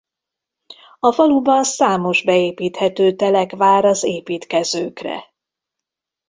A faluban számos beépíthető telek vár az építkezőkre.